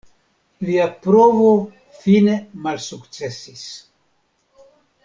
Lia provo fine malsukcesis.